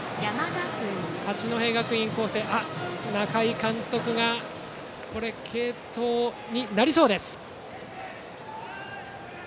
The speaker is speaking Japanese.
八戸学院光星の仲井監督が指示し継投になりそうです。